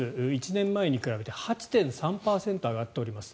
１年前に比べて８．３％上がっております。